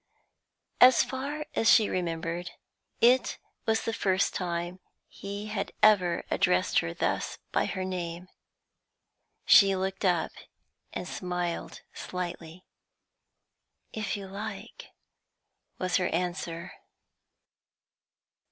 As far as she remembered, it was the first time that he had ever addressed her thus by her name. She looked up and smiled slightly. "If you like," was her answer.